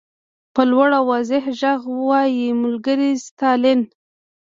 په لوړ او واضح غږ وایي ملګری ستالین.